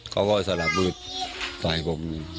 เขาก็สลับบึกใส่ผม